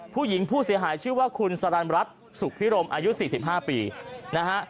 ผู้เสียหายชื่อว่าคุณสรรรัฐสุขพิรมอายุ๔๕ปีนะฮะ